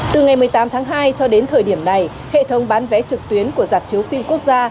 từ ngày một mươi tám tháng hai cho đến thời điểm này hệ thống bán vé trực tuyến của giạp chiếu phim quốc gia